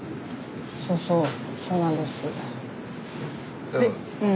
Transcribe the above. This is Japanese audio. そうそうそうなんです。